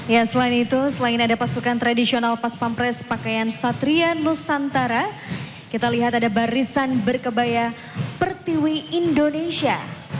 ya selain itu selain ada pasukan tradisional pas pampres pakaian satria nusantara kita lihat ada barisan berkebaya pertiwi indonesia